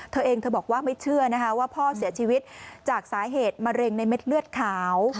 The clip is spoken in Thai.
เธอเองเธอบอกว่าไม่เชื่อนะคะว่าพ่อเสียชีวิตจากสาเหตุมะเร็งในเม็ดเลือดขาว